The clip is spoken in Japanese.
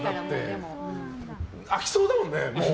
開きそうだもんね、もう。